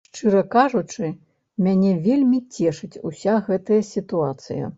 Шчыра кажучы, мяне вельмі цешыць уся гэтая сітуацыя.